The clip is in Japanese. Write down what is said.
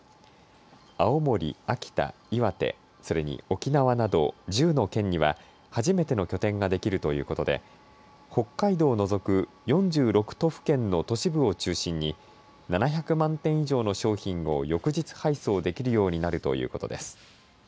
青森、秋田、岩手、それに沖縄など１０の県には初めての拠点ができるということで北海道を除く４６都府県の都市部を中心に７００万点以上の商品を翌日配送できるようになるということです。